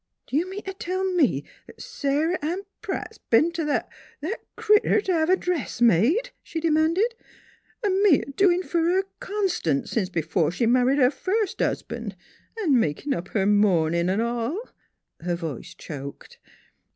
" D' you mean t' tell me Sar'Ann Pratt's b'en t' that that critter t' hev' a dress made?" she de manded. " An' me a doin' for her constant sence b'fore she married her first husban' an' makin' up her mournin' 'n' all! " Her voice choked.